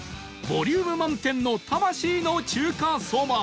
ボリューム満点の魂の中華そば